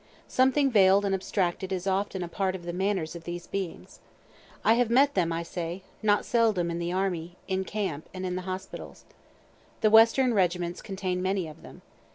Something veil'd and abstracted is often a part of the manners of these beings. I have met them, I say, not seldom in the army, in camp, and in the hospitals. The Western regiments contain many of them.